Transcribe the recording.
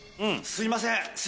すいません